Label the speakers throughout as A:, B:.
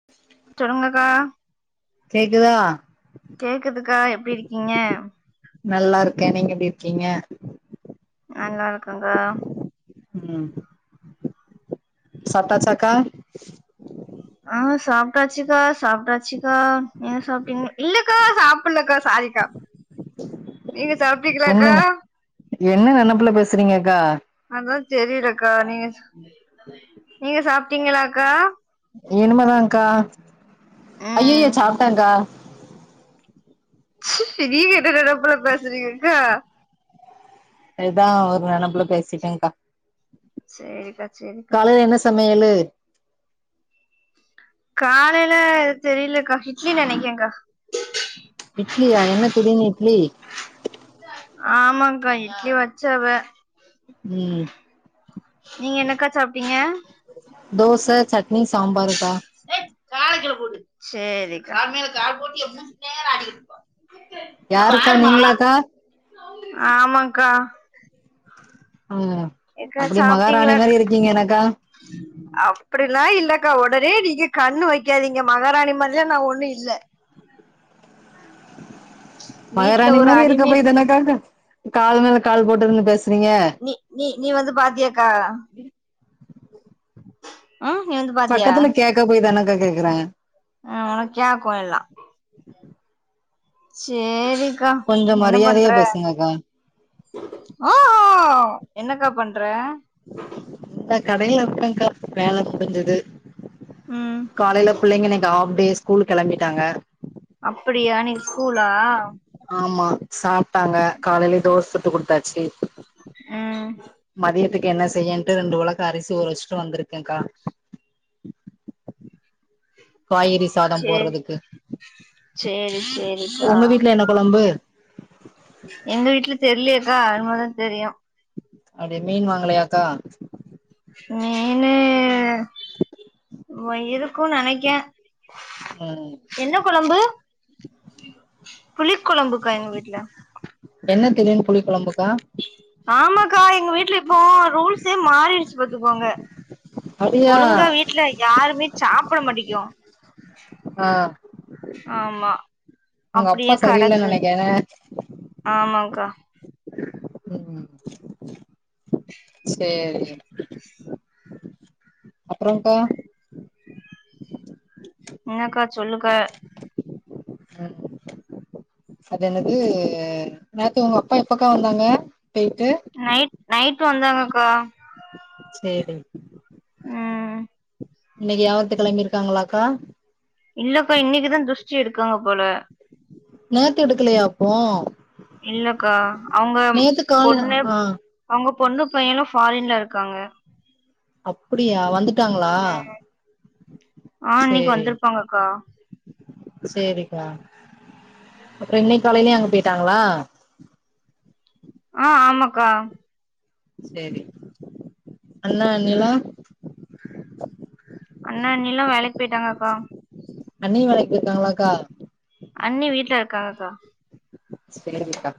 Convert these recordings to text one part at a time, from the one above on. A: [inaudible]
B: சொல்லுங்கக்கா
A: கேக்குதா
B: கேக்குதுக்கா எப்டி இருக்கீங்க
A: நல்லா இருக்கே நீங்க எப்டி இருக்கீங்க
B: நல்லா இருக்கன்க்கா
A: உம் சப்டாச்சாக்கா
B: ஆ சாப்டாச்சிக்கா சாப்ப்டாச்சிக்கா நிய சாப்டிங் இல்லக்கா சாப்புல்லக்கா சாரிக்கா நீங்க சாப்ட்டீகளாக்கா
A: என்னங்க என்ன நெனப்புல பேசுறீங்கக்கா
B: அதா தெரில கா நீங்க சொ நீங்க சாப்ட்டீங்களா கா
A: இனிமேதான் க்கா ஐயையோ
B: ம்
A: சாப்ட்டன்கா
B: ச்சி எவீ என்ன நெனப்புல பேசுறீங்கக்கா
A: எதா ஒரு நெனப்புல பேசிட்டேன்க்கா
B: சேரிக்கா சரிக்கா
A: சமையழு
B: காலேல தெரிலக்கா இட்லி நினைக்கேன்க்கா
A: இட்லியா என்ன திடீர்னு இட்லி
B: ஆமாக்கா இட்லி வச்சாவ
A: ம்
B: நீங்க என்னக்கா சாப்ட்டீங்க
A: தோச சட்னி சாம்பாருக்கா ! ! ! ! ! ! ! ! ! !
B: கிக்ரெட்
A: யாருக்கா நீங்களாக்கா
B: ஆமான்க்கா
A: ம்
B: ஏக்கா
A: அப்டி மகாராணி
B: சாப்ட்டீங்களா
A: மாரி இருக்கீங்க எனக்கா
B: [inaudible] அப்டிலா இல்லக்கா உடனே நீங்க கண்ணு வைக்காதீங்க மகாராணி மாதிரிலா நா ஒண்ணு இல்ல [unintelligible] வீட்ல
A: மகராணி
B: ஒரு
A: மாரி
B: அடிமை
A: இருக்கப்போய் தனக்கா அங்கு கால்ல மேல கால் போட்டு இருந்து பேசுறீங்க
B: நீ நீ நீ வந்து பாத்தியாக்கா ம் நீ வந்து பாத்தியா
A: பக்கத்துல கேக்க போய் தானக்கா கேக்குறே
B: ஆ உனக்யா கொயல்லா சேரிக்கா
A: கொஞ்சோ
B: என்ன பண்ற
A: மரியாதையா பேசுங்கக்கா
B: ஆ என்னக்கா பண்ற
A: இந்தா கடைல இருக்கங் க்கா வேல புடிஞ்சி து
B: ம்
A: காலைல புள்ளைங்க இன்னைக்கு ஆஃப்டே ஸ்கூல் கெளம்பிட்டாங்க
B: அப்புடியா இன்னைக்கு ஸ்கூலா
A: ஆமா சாப்ட்டாங்க காலைலே தோஸ் சுட்டு குடுத்தாச்சு
B: ம்
A: மதியத்துக்கு என்ன செய்யன்ட்டு ரெண்டு ஒலக் அரிசி ஊர வச்சுட்டு வந்துருக்கே க்கா காய்கறி சாதோ போர்றதுக்கு
B: சேரி சேரி சேரிக்கா
A: ஒங்க வீட்ல என்ன கொழம்பு
B: எங்க வீட்ல தெர்லயேக்கா இனிமே தா தெரியு
A: அப்டிய மீன் வாங்கலயாக்கா
B: மீனு இருக்கு நெனைக்கே
A: ம்
B: என்ன குழம்பு புளி குழம்புக்கா எங்க வீட்ல
A: என்ன திடீர்னு புளி குழம்பு க்கா
B: ஆமாக்கா எங்க வீட்ல இப்போ ரூல்ஸே மாறிருச்சு பாத்துக்கோங்க
A: அப்டியா
B: ஒழுங்கா வீட்ல யாருமே சாப்பட மாட்டிக்கோ
A: ஆ
B: ஆமா
A: உங்கப்பா
B: அப்டியே
A: சரியில்ல நெலைக்கே
B: ஆமாங்கா
A: ம் ம் சேரி அப்றோங் க்கா
B: என்னக்கா சொல்லுக்க
A: ம் அது என்னது நேத்து உங்க அப்பா எப்பக்கா வந்தாங்க பேயிட்டு
B: நைட் நைட்டு வந்தாங்கக்கா
A: சேரி
B: ம்
A: இன்னைக்கு யாவாரத்துக்கு கெளம்பிருக்காங்ளாக்கா
B: இல்லக்கா இன்னைக்குதா துஷ்டி எடுக்காங்க போல
A: நேத்து எடுக்கலையா அப்போ
B: இல்லக்கா அவங்க ம்
A: நேத்து கால
B: பொண்ணு
A: ஆ
B: அவங்க பொண்ணு பைய்யனு ஃபாரின்ல இருக்காங்க
A: அப்டியா வந்துட்டாங்ளா
B: ம் ஆ இன்னைக்கு
A: சேரி
B: வந்திருப்பாங்கக்கா
A: சேரிப்பா அப்றோ இன்னைக் காலைலயு அங்க போயிட்டாங்களா
B: ஆ ஆமாக்கா
A: சேரி அண்ணா அண்ணிலா
B: அண்ண அண்ணிலா வேலைக் போயிட்டாங்கக்கா
A: அண்ணி வேலைக்கு போயிருக்காங்களாக்கா
B: அண்ணி வீட்ல இருக்காகக்கா
A: சேரிக்கா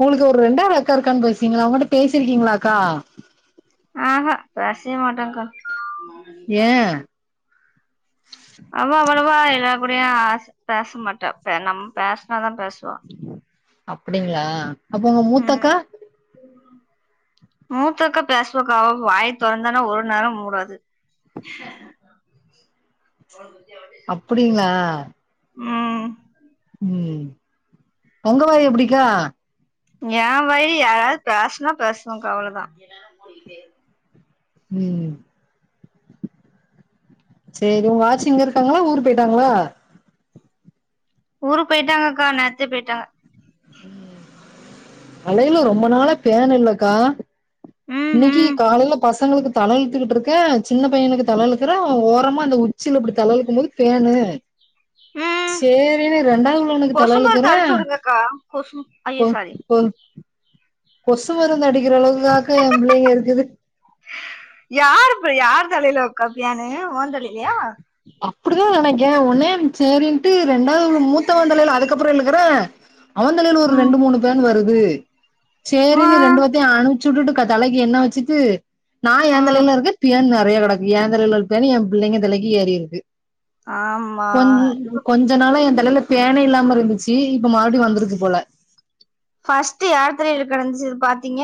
A: உங்களுக்கு ஒரு ரெண்டாவது அக்கா இருக்கா பேசுனீங்கல அவங்கட்ட பேசிருக்கீங்ளாக்கா
B: ஆ ஹ பேசே மாட்டங்கா
A: ஏன்
B: அவ அவ்வளவா எல்லார் கூடயு பேச மாட்டா பே நம் பேஸ்னாதா பேஸ்வா
A: அப்டிங்ளா அப்போ உங்க மூத்தக்கா
B: உம் [inaudible] மூத்தக்கா பேஸ்வக்கா அவ வாய் தொறந்தானா ஒரு நேரம் மூடாது [inaudible]
A: அப்டிங்களா
B: ம்
A: ம் ஒங்க வாயி எப்பிடிக்கா
B: ஏ வாய் யாராது பேசுனா பேசுவங்கா அவ்ளதா
A: ம் செரி உங்க ஆச்சு இங்க இருக்காங்களா ஊரு போயிட்டாங்ளா
B: ஊரு போயிட்டாங்கக்கா நேத்தே போயிட்டாங்க
A: தலையில ரொம்ப நாளா பேன் இல்லக்கா
B: ம்
A: இன்னைக்கி
B: ம்
A: காலையில பசங்களுக்கு தல இழுத்துக்கிட்டு இருக்கே சின்ன பையனுக்கு தல இழுக்குற ஓரமா அந்த உச்சில இப்டி தல இழுக்கும் போது பேனு
B: ம்
A: சேரின்னு ரெண்டாவது உள்ளவனுக்கு
B: கொசு
A: தல
B: மருந்து
A: இழுக்குறே
B: அடிச்சு உடுங்க அக்கா கொசு
A: கொ
B: அய்யோ சாரி
A: கொ கொசு மருந்து அடிக்கிற அளவுக்காக்கா எ பிள்ளைங்க இருக்குது
B: யாருப் யார் தலைலக்கா பேணு ஓ தலைலியா
A: அப்படிதா நெனைக்கே உன்னேன்ச் சேரின்ட்டு ரெண்டாவது மூத்தவ தலைல அதுக்கப்புற இழுக்கறே அவந்தலையில ஒரு
B: ம்
A: ரெண்டு மூணு பேனு வருது
B: ஆ
A: சேரின்னு ரெண்டுவத் அனுச்சு வுட்டுட்டு தலைக்கு என்ன வச்சுட்டு நா
B: ஆ
A: ஏந்தலையில இருக்க பேனு நெறய கெடக்கு ஏந்தலையில இரு பேன் எம்பிள்ளைங்க தலைக்கி ஏறிருக்கு கொஞ்
B: ஆமா
A: கொஞ் ஞ்சநாளா எ தலையில பேனே இல்லாம இருந்துச்சு இப்ப மறுபடி வந்துருக்கு போல
B: ஃபஸ்ட் யார் தலையில கெடந்துச்சுனு பாத்தீங்க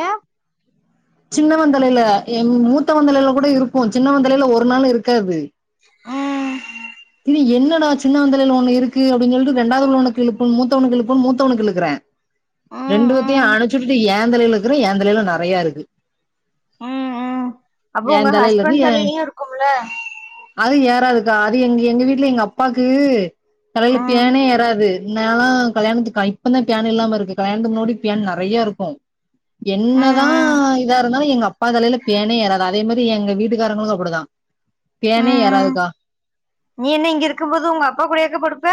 A: சின்னவந்தலையில எ மூத்தவந்தலையில கூட இருக்கு சின்ன வந்தலையில ஒரு நாளு இருக்காது
B: ஆ
A: தனி என்னடா சின்னவந்தலைல ஒண்ணு இருக்கு அப்டின் சொல்லிட்டு ரெண்டாவது உள்ளவனுக்கு இழுப்பு மூத்தவனுக்கு இழுப்புன் மூத்தவனுக்கு இழுக்குறே
B: ம்
A: ரெண்டு வத்தையு
B: ம்
A: அனுச்சுட்டுட்டு ஏந்தலையில இழுக்கிற ஏந்தலையில நெறைய இருக்கு
B: ம் ம் அப்போ உங்க
A: என் தலையில இருந்து
B: ஹஸ்பண்ட்
A: எ
B: தலையிலையு இருக்கும்ல
A: அது ஏறாதுக்கா அது எங்க எங்க வீட்ல எங்க அப்பாக்கு தலையில
B: ம்
A: பேனே ஏறாது முன்னாலா கல்யாணத்துக்கு இப்பதா பேன் இல்லாம இருக்கு கல்யாணத்துக்கு முன்னகூடி பேன் நெறைய இருக்கு
B: ம்
A: என்னதா
B: ம்
A: இதா இருந்தாலு எங்க அப்பா தலையில பேனே ஏறாது அதே மாரி எங்க வீட்டுக்காரங்களுக்கு அப்டிதா பேனே
B: ம் ம்
A: ஏறாதுக்கா
B: நீ என்ன இங்க இருக்கும்போது உங்க அப்பா கூடயாக்கா படுப்ப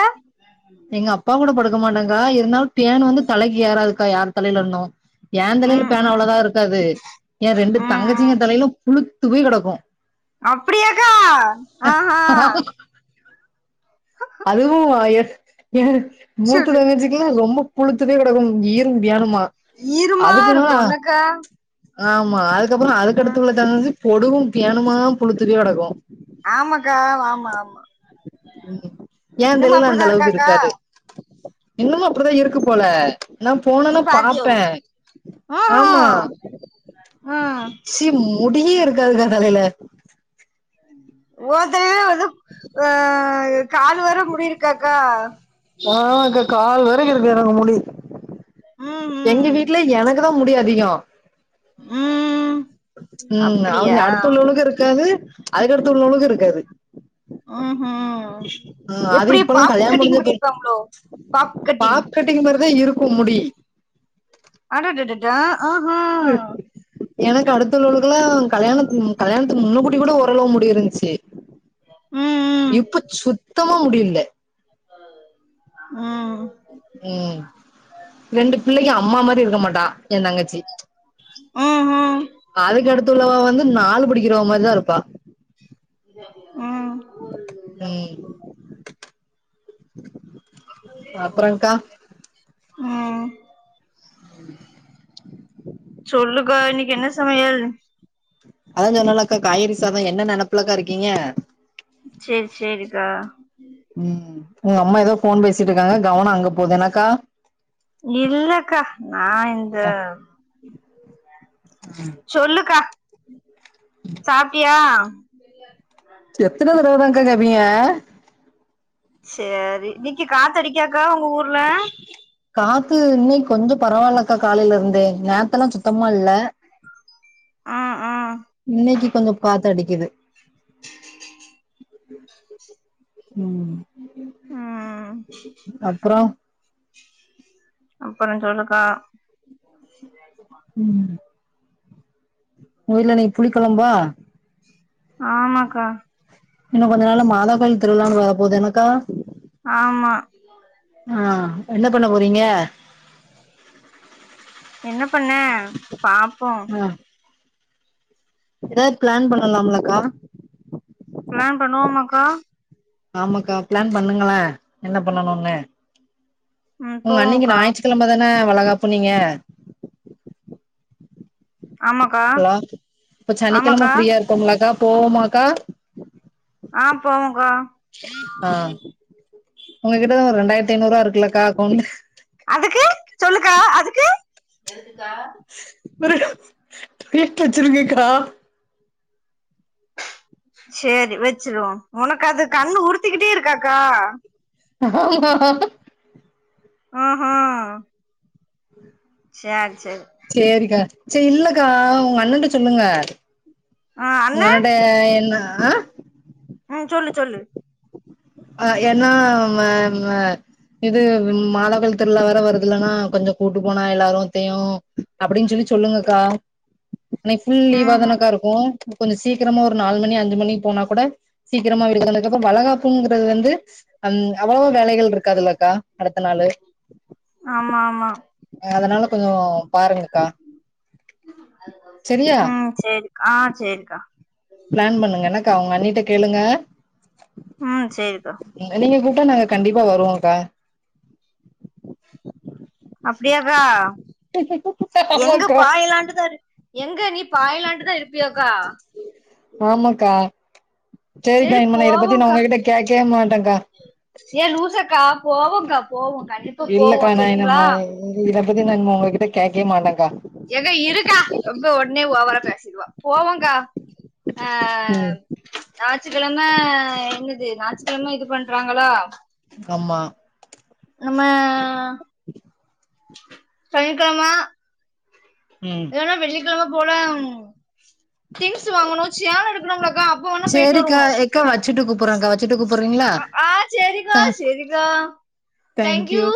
A: எங்க அப்பா கூட படுக்க மாட்டாங்கா இருந்தாலு பேனு வந்து தலைக்கு ஏறாதுக்கா யார் தலையில இருந்து ஏந்தலையில
B: ம்
A: பேனு
B: ம்
A: அவ்ளதா இருக்காது ஏ ரெண்டு
B: ம் ம்
A: தங்கச்சிங்க தலையிலு புழுத்து போய் கெடக்கு
B: அப்டியாக்கா ஆஹா
A: அதுவு எ எ மூத்த
B: சொல்லு
A: தங்கச்சிக் இல்ல ரொம்ப புழுத்து போய் கெடக்கு ஈரும் பேனுமா
B: ஈருமா
A: அதுக்குன்னா
B: இருக்கு என்னக்கா
A: ஆமா அதுக்கப்புற அதுக்கு
B: ம்
A: அடுத்து உள்ள தங்கச்சிக்கு பொடுகு பேனுமா புழுத்து போய் கெடக்கு
B: ஆமாக்கா ஆமா ஆமா
A: ஏ
B: இன்னுமா
A: தலைல அந்த
B: அப்டிதா
A: அளவுக்கு
B: இருக்காக்கா
A: இருக்காது இன்னமு அப்படிதா இருக்கு போல நா
B: நீ
A: போனன்னா
B: பாத்தியோ
A: பாப்பே ஆமா
B: ம் ம்
A: சி முடியே இருக்காதுகா தலையில
B: ஓத்தையு வந்து ஆ காலு வர முடியிருக்காக்கா
A: ஆ அக்கா கால் வரைக்கு இருக்கு எனக்கு முடி எங்க
B: ம் ம்
A: வீட்ல எனக் எனக்குதா முடி அதிகொ
B: ம்
A: ம் அவுங்க
B: அப்டியா
A: அடுத்து உள்ளவளுக்கு இருக்காது அதுக்கடுத்து உள்ளவளுக்கு இருக்காது
B: ம்ஹூ
A: ஆ அது
B: எப்டி
A: இப்பல்லா
B: பாப்
A: கல்யாண
B: கட்டிங்
A: முடிஞ்ச பிறகு
B: பண்ணிருப்பாங்ளோ பாப் கட்டிங்
A: பாப் கட்டிங் மாறிதா இருக்கு முடி
B: ஆடடடடா ஆஹா
A: ம் எனக்கு அடுத்து உள்ளவளுக்கெல்லா கல்யாணத் கல்யாணத்துக்கு முன்ன கூட்டி கூட ஓரளவு முடியிருந்துச்சு
B: ம்
A: இப்ப சுத்தமா முடி இல்லே
B: ம்
A: ம் ரெண்டு பிள்ளைக அம்மா மாரி இருக்க மாட்டா எ தங்கச்சி
B: ம் ம்
A: அதுக்கு அடுத்து ள்ளவ வந்து நாலு படிக்கிறவ மாரிதா இருப்பா
B: ம்
A: ம் அப்புறம்க்கா
B: ம்
A: [inaudible]
B: சொல்லுகா இன்னைக்கி என்ன சமையல்
A: அதா சொன்னாலாக்கா காய்கறி சாதோ என்ன நெனப்புலக்கா இருக்கீங்க
B: சேரி சேரிக்கா
A: ம் உங்க அம்மா ஏதோ ஃபோன் பேசிட்டு இருக்காங்க கவனோ அங்க போகுது அதானக்கா
B: இல்லக்கா நா இந்த
A: ம்
B: சொல்லுக்கா சாப்ட்டியா
A: எத்தன தடவ தான்கா கேப்பீங்க
B: சேரி இன்னைக்கி காத்து அடிக்காக்கா உங்க ஊர்ல
A: காத்து இன்னைக்கி கொஞ்சோ பரவாயில்லக்கா காலையில இருந்தே நேத்தெல்லா சுத்தமா இல்ல
B: ம் ம்
A: இன்னைக்கி கொஞ்சோ காத்தடிக்குது ம்
B: ம்
A: அப்றோ
B: அப்றோ சொல்லுக்கா [unintelligible]
A: ம் உங்க வீட்ல இன்னைக்கி புளிக்கொழம்பா
B: ஆமாக்கா
A: இன்னு கொஞ்ச நாள மாதா கோயில் திருவிழான்னு வர போது எனக்கா
B: ஆமா
A: ஆ என்ன பண்ணப் போறீங்க
B: என்ன பண்ணே பாப்போ
A: ஏதாது பிளான் பண்ணலாமல்லக்கா
B: பிளான் பண்ணுவோமாகா
A: ஆமாக்கா பிளான் பண்ணுங்களே என்ன பண்ணனும்னு
B: ம்
A: உங்க அன்னிக்கு
B: போவோக்கா
A: ஞாயிட்டு கிழமதானே வளைகாப்புனீங்க
B: ஆமாக்கா
A: ஹலோ இப்ப சனிக்கிழம
B: ஆமாக்கா
A: ஃப்ரீயா இருப்போம்மில்லக்கா போவோமாக்கா
B: ஆ போவோங்கா
A: உங்க கிட்டதா ஒரு ரெண்டாயிரத்து ஐநாறுவா இருக்கில்லக்கா அக்கவுண்ட்ல
B: அதுக்கு சொல்லுக்கா அதுக்கு க்கா
A: ஒரு ட்ரீட்டு வச்சுருங்கக்கா
B: சேரி வச்சிருவோ உனக்கு அது கண்ணு ஊறுத்திக்கிட்டே இருக்காக்கா
A: ஆமா
B: ஆ ஹா சேர் செர்
A: சேரிக்கா சே இல்லக்கா உங்க அண்ணன்ட்ட சொல்லுங்க
B: ஆ அண்ண
A: ஒங்கண்ணட்ட என்னா ஆ
B: ம் சொல்லு சொல்லு
A: ஆ ஏன்னா மே மே இது மாதாக்கோயில் திருவிழா வேற வருதுலென்னா கொஞ்சோ கூட்டு போனா எல்லாரத்தையு அப்புடின்னு சொல்லி சொல்லுங்க அக்கா
B: [inaudible]
A: இன்னைக்கு ஃபுல் லீவ்வா
B: ம்
A: தானக்கா இருக்கு கொஞ்சோ சீக்கிரமா ஒரு நாலு மணி அஞ்சு மணி போனா கூட சீக்கிரமா வீட்டுக் வந்தது அப்போ வளகாப் புங்குறது வந்து வந் அவ்ளோ வேலைகள் இருக்காது இல்ல அக்கா அடுத்த நாளு
B: ஆமா ஆமா
A: அதனால கொஞ்சோ பாருங்க அக்கா செரியா
B: ம் சேரிக்கா ஆ சேரிக்கா
A: ப்ளான் பண்ணுங்க என்ன அக்கா ஒங்க அண்ணிட்ட கேளுங்க
B: உம் சேரிக்கா
A: நீங்க கூப்ட்டா நாங்க கண்டிப்பா வருவோக்கா
B: அப்டியா க்கா எங்க
A: ஆமாக்கா
B: பாய்லான்ட்டு தா எங்க நீ பாய்லான்ட்டு தா இருப்பியோ க்கா
A: ஆமா அக்கா சேரிக்கா
B: சேரி
A: இனிமே நா இத பத்தி நா
B: போவோக்கா
A: உங்ககிட்ட கேக்கவே மாட்டேக்கா
B: ஏ லூசக்கா போவோக்கா போவோ கண்டி
A: இல்ல க்கா நா என்னம்மா இத பத்தி நா இனிமே உங்ககிட்ட கேக்கவே மாட்டே க்கா
B: ஏக்கா இருக்கா ரொம்ப ஒட்னே ஓவரா பேசிடுவா போவோக்கா
A: உம்
B: ஞாச்சுக்கெழம என்னது ஞாச்சுக்கெழம இது பண்றாங்களா
A: அம் மா
B: அம்ம சனிக்கெழம
A: உம்
B: வர வெள்ளிக்கெழம போலம் திங்ஸ் வாங்கணு சேல எடுக்கணும்லக்கா அப்ப ஒன்னா போய்ட்டு
A: சேரிக்கா
B: வருவோ
A: எக்கா வச்சுட்டு கூப்புறேக்கா வச்சுட்டு கூப்புறீங்களா
B: ஆ சேரிக்கா
A: தேங்க்
B: சேரிக்கா தய்ங்க் யூ
A: தேங்க்யூ